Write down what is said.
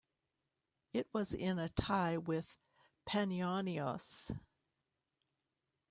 It was in a tie with Panionios.